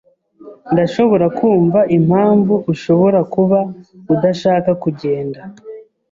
Ndashobora kumva impamvu ushobora kuba udashaka kugenda.